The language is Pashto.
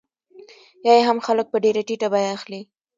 یا یې هم خلک په ډېره ټیټه بیه اخلي